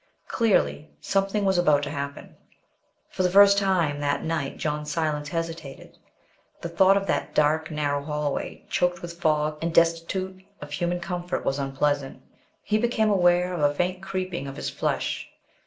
Clearly, something was about to happen. For the first time that night John Silence hesitated; the thought of that dark narrow hall way, choked with fog, and destitute of human comfort, was unpleasant. He became aware of a faint creeping of his flesh.